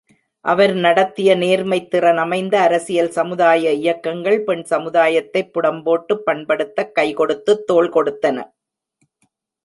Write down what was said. அவர் நடத்திய நேர்மைத்திறன் அமைந்த அரசியல் சமுதாய இயக்கங்கள், பெண் சமுதாயத்தைப் புடம்போட்டுப் பண்படுத்தக் கைகொடுத்துத் தோள்கொடுத்தன.